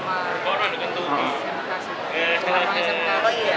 masih luar biasa